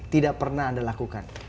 tidak pernah anda lakukan